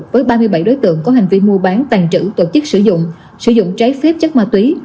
với ba mươi bảy đối tượng có hành vi mua bán tàn trữ tổ chức sử dụng sử dụng trái phép chất ma túy